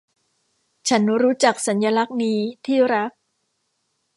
ฉันรู้จักสัญลักษณ์นี้ที่รัก